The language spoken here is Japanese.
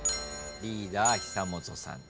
リーダー久本さん。